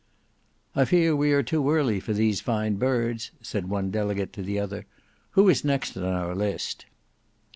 "I fear we are too early for these fine birds," said one delegate to the other. "Who is next on our list?"